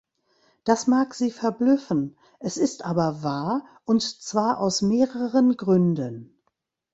Das mag Sie verblüffen, es ist aber wahr, und zwar aus mehreren Gründen.